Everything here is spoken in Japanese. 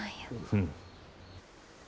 うん。